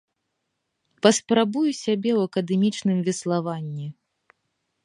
Паспрабую сябе ў акадэмічным веславанні.